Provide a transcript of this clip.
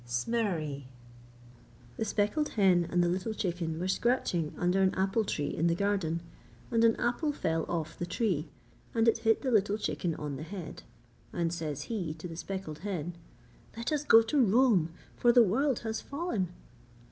SMEREREE The speckled hen and the little chicken were scratching under an apple tree in the garden, and an apple fell off the tree and it hit the little chicken on the head. And says he to the speckled hen: 'Let us go to Rome, for the world has fallen.'